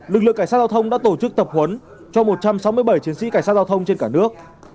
lực lượng cảnh sát giao thông đã tổ chức tập huấn cho một trăm sáu mươi bảy chiến sĩ cảnh sát giao thông trên cả nước